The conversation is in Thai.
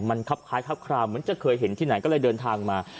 มันครับคล้ายครับคราวเหมือนจะเคยเห็นที่ไหนก็เลยเดินทางมา